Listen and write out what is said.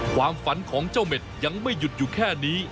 ความฝันของเจ้าเม็ดยังไม่หยุดอยู่แค่นี้